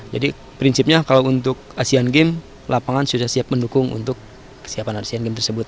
jadi prinsipnya kalau untuk asian games lapangan sudah siap mendukung untuk kesiapan asian games tersebut